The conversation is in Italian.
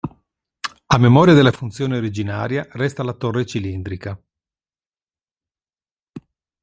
A memoria della funzione originaria resta la torre cilindrica.